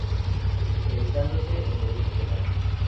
Especializándose en Derecho Penal.